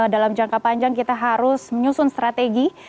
dalam jangka panjang kita harus menyusun strategi